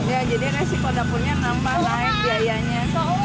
ya jadi resiko dapurnya nambah naik biayanya